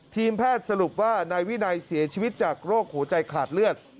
ทีมแพทย์สรุปว่านายวินัยเสียชีวิตจากโรคหัวใจขาดเลือด